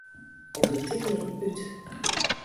Undertiteling út.